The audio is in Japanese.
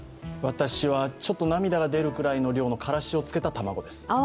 私は涙が出るくらいの量のからしをつけた卵です。